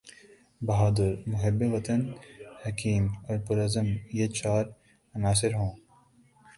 بہادر، محب وطن، حکیم اور پرعزم یہ چار عناصر ہوں۔